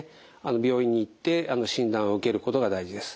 病院に行って診断を受けることが大事です。